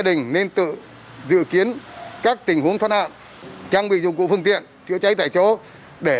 đình nên tự dự kiến các tình huống thoát nạn trang bị dụng cụ phương tiện chữa cháy tại chỗ để